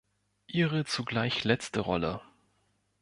Ihre zugleich letzte Rolle.